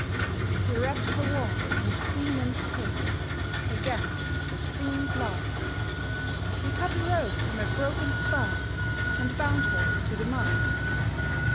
He wrapp'd her warm in his seaman's coat Against the stinging blast; He cut a rope from a broken spar, And bound her to the mast.